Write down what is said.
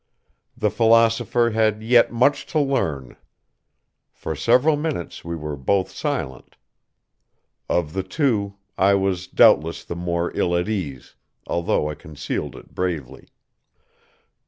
The philosopher had yet much to learn. For several minutes we were both silent. Of the two I was doubtless the more ill at ease, though I concealed it bravely.